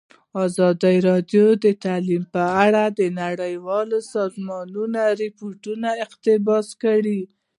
ازادي راډیو د تعلیم په اړه د نړیوالو سازمانونو راپورونه اقتباس کړي.